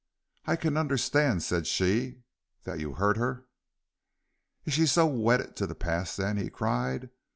"I can understand," said she, "that you hurt her." "Is she so wedded to the past, then?" he cried.